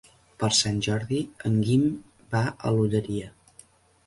Per Sant Jordi en Guim va a l'Olleria.